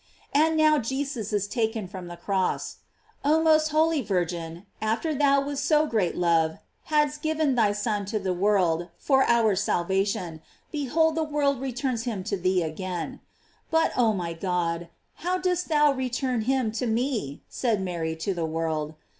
And now Jesus is taken from the cross. Oh most holy Virgin, after thou with so great love hadst given thy Son to the world for our salvation, behold the world returns him to thee again! But oh, my God, ho\v dost thou re turn him to me? said Mary to the world.